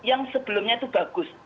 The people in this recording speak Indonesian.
yang sebelumnya itu bagus